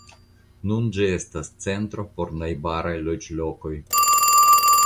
Nun ĝi estas centro por najbaraj loĝlokoj.